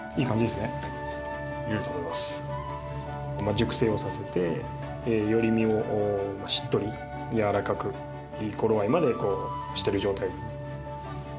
熟成をさせてより身をしっとりやわらかくいい頃合いまでしている状態です。